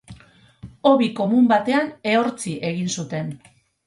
Hobi komun batean ehortzi egin zuten.